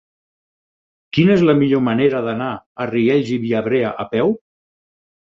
Quina és la millor manera d'anar a Riells i Viabrea a peu?